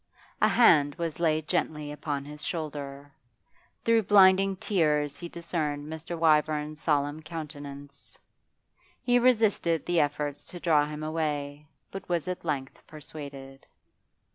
A hand was laid gently upon his shoulder. Through blinding tears he discerned Mr. Wyvern's solemn countenance. He resisted the efforts to draw him away, but was at length persuaded.